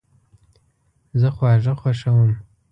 زه خواږه خوښوم